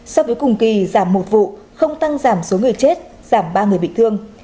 so với cùng kỳ giảm một vụ không tăng giảm số người chết giảm ba người bị thương